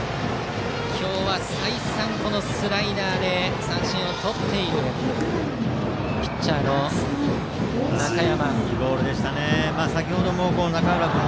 今日は再三、このスライダーで三振をとっているピッチャーの中山。